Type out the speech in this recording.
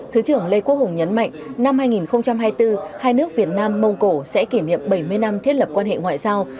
thứ trưởng lê quốc hùng nhấn mạnh năm hai nghìn hai mươi bốn hai nước việt nam mông cổ sẽ kỷ niệm bảy mươi năm thiết lập quan hệ ngoại giao